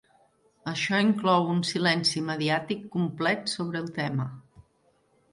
Això inclou un silenci mediàtic complet sobre el tema.